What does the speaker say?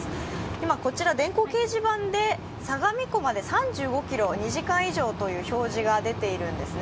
今、こちら、電光掲示板で相模湖まで３２ｋｍ、２時間以上という表示が出ているんですね。